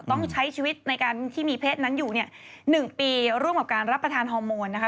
ต้องใช้ชีวิตในการที่มีเพศนั้นอยู่เนี่ย๑ปีร่วมกับการรับประทานฮอร์โมนนะคะ